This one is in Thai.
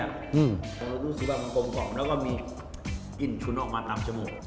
รู้สึกว่ามันกลมของแล้วก็มีอิ่นชุนออกมานำจมูก